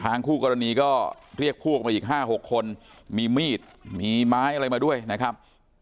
คู่กรณีก็เรียกพวกมาอีก๕๖คนมีมีดมีไม้อะไรมาด้วยนะครับ